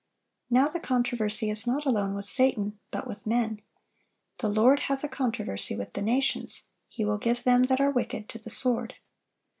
Now the controversy is not alone with Satan, but with men. "The Lord hath a controversy with the nations;" "He will give them that are wicked to the sword."